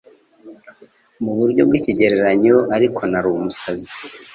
Mu buryo bw'ikigereranyo Ariko nari umusazi